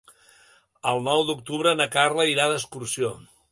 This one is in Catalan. El nou d'octubre na Carla irà d'excursió.